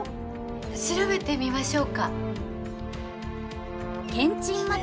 調べてみましょうか。